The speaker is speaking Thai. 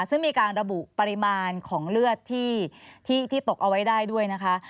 ซึ่งมีการระบุปริมาณของเลือดที่ตกเอาไว้ได้ด้วยนะคะ